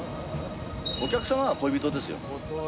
お客様は恋人ですよ。